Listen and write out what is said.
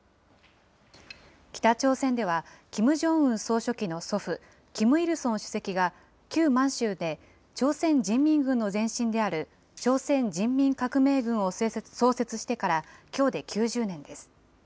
北朝鮮では、キム・ジョンウン総書記の祖父、キム・イルソン主席が旧満州で朝鮮人民軍の前身である朝鮮人民革命軍を創設してからきょうで９０年です。